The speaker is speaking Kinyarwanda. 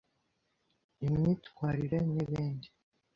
imyitwerire n’ibindi;